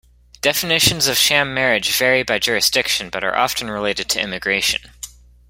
Definitions of sham marriage vary by jurisdiction, but are often related to immigration.